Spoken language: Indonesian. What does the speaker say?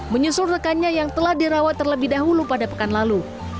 menyusul rekannya yang telah dirawat terlebih dahulu pada pekan lalu